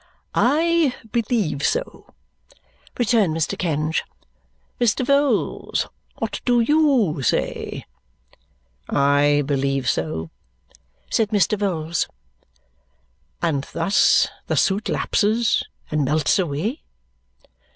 "Hem! I believe so," returned Mr. Kenge. "Mr. Vholes, what do YOU say?" "I believe so," said Mr. Vholes. "And that thus the suit lapses and melts away?"